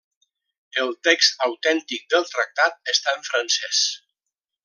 El text autèntic del Tractat està en francès.